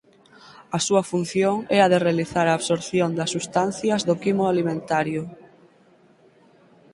A súa función é a de realizar a absorción das substancias do quimo alimentario.